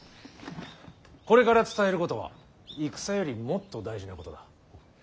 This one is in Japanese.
これから伝えることは戦よりもっと大事なことだ。